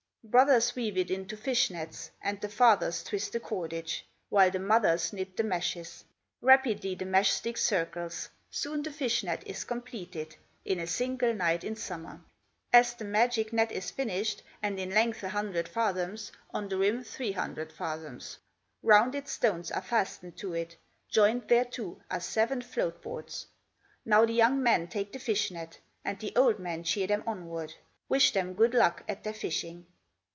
Brothers weave it into fish nets, And the fathers twist the cordage, While the mothers knit the meshes, Rapidly the mesh stick circles; Soon the fish net is completed, In a single night in summer. As the magic net is finished, And in length a hundred fathoms, On the rim three hundred fathoms, Rounded stones are fastened to it, Joined thereto are seven float boards. Now the young men take the fish net, And the old men cheer them onward, Wish them good luck at their fishing.